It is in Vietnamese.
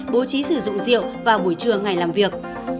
bố trí sử dụng rượu vào buổi trưa ngày làm việc